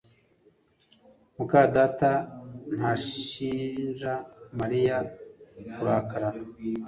muka data ntashinja Mariya kurakara